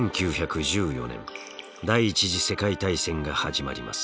１９１４年第１次世界大戦が始まります。